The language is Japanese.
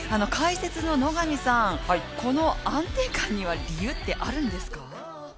解説の野上さん、この安定感には理由ってあるんですか？